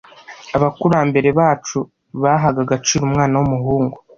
Abakurambere bacu bahaga agaciro umwana w’umuhungu.